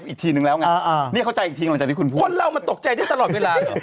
อีกทีนึงแล้วไงอ่าที่คุณพูดมันตกใจได้ตลอดเวลา